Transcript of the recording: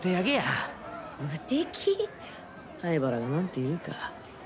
灰原が何て言うか。